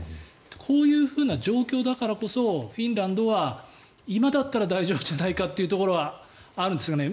こういうふうな状況だからこそフィンランドは今だったら大丈夫じゃないかというところはあるんですかね。